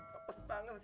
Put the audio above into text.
tiga banget sih ness